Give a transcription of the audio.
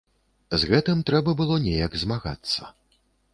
З гэтым трэба было неяк змагацца.